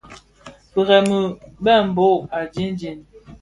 Firemi, bëbhog a jinjin.